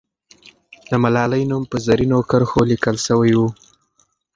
د ملالۍ نوم په زرینو کرښو لیکل سوی وو.